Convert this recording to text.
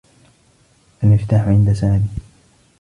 المفتاح عند سامي.